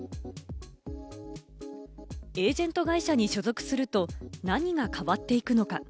エージェント会社に所属すると何が変わっていくのか？